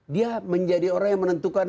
dia menjadi orang yang menentukan